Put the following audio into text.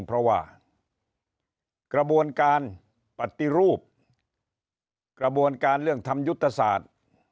เพราะว่ากระบวนการปฏิรูปกระบวนการเรื่องทำยุทธศาสตร์